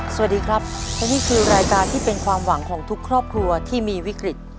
สวัสดีครับและนี่คือรายการที่เป็นความหวังของทุกครอบครัวที่มีวิกฤต